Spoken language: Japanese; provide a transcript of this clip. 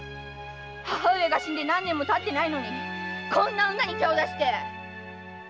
母上が死んで何年も経ってないのにこんな女に手を出して！